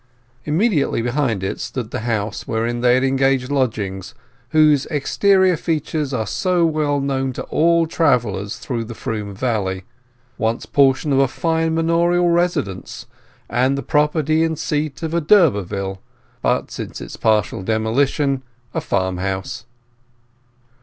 Immediately behind it stood the house wherein they had engaged lodgings, whose exterior features are so well known to all travellers through the Froom Valley; once portion of a fine manorial residence, and the property and seat of a d'Urberville, but since its partial demolition a farmhouse.